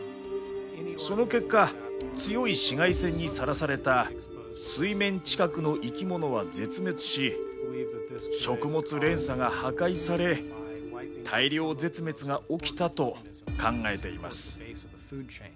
その結果強い紫外線にさらされた水面近くの生き物は絶滅し食物連鎖が破壊され大量絶滅が起きたと考えています。